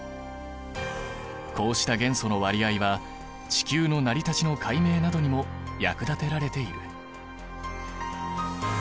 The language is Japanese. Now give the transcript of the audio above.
こうした元素の割合は地球の成り立ちの解明などにも役立てられている。